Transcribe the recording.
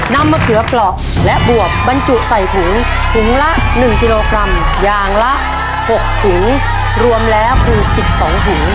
มะเขือเปราะและบวบบรรจุใส่ถุงถุงละ๑กิโลกรัมอย่างละ๖ถุงรวมแล้วคือ๑๒ถุง